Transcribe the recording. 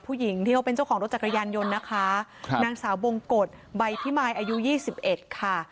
ผู้หญิงที่เขาเป็นเจ้าของรถจักรยานยนต์นะคะครับนางสาวบงกฎใบพิมายอายุยี่สิบเอ็ดค่ะ